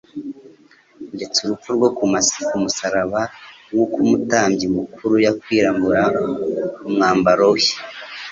ndetse urupfu rwo ku musaraba" Nk'uko umutambyi mukuru yakwiyambura umwambaro we